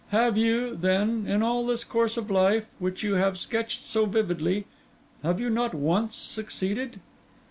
Have you, then—in all this course of life, which you have sketched so vividly—have you not once succeeded?